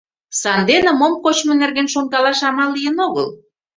Сандене мом кочмо нерген шонкалаш амал лийын огыл.